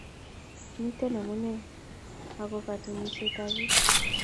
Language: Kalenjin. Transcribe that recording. miten amune ako ba katunishen ab pik